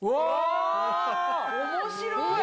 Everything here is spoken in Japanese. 面白い！